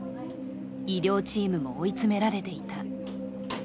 医療チームも追い詰められていた。